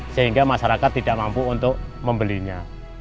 sehingga masyarakat tidak mampu untuk membelinya